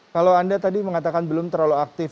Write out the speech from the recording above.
kalau anda tadi mengatakan belum terlalu aktif